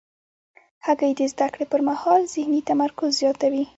هګۍ د زده کړې پر مهال ذهني تمرکز زیاتوي.